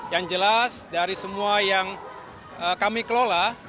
yang jelas dari semua yang kami kelola